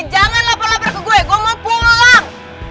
jangan lapar lapar ke gue gua mau pulang